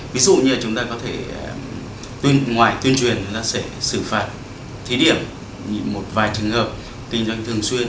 ví dụ như chúng ta có thể ngoài tuyên truyền chúng ta sẽ xử phạt thí điểm một vài trường hợp kinh doanh thường xuyên